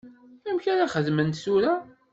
Amek ara xedment tura?